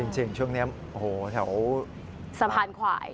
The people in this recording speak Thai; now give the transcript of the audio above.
จริงช่วงนี้โอ้โหแถวสะพานขวาย